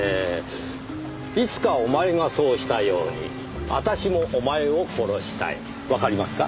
「いつかおまえがそうしたようにあたしもおまえを殺したい」わかりますか？